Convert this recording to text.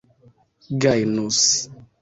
gajnus